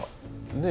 ねえ。